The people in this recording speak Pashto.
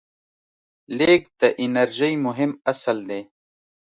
لیږد د انرژۍ مهم اصل دی.